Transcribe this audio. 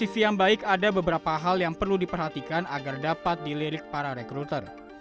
yang pertama adalah ada beberapa hal yang perlu diperhatikan agar dapat di lirik para rekruter